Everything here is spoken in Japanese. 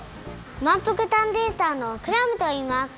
まんぷく探偵団のクラムといいます。